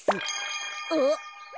あっ。